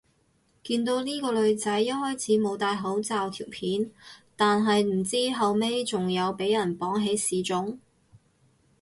見到呢個女仔一開始冇戴口罩條片，但係唔知後尾仲有俾人綁起示眾